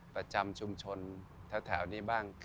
ประจำชุมชนแถวนี้บ้าง